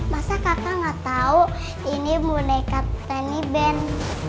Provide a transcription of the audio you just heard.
masa kakak gak tau ini moneka tiny band